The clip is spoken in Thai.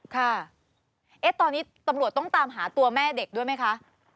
ค่ะตอนนี้ตำรวจต้องตามหาตัวแม่เด็กด้วยไหมคะ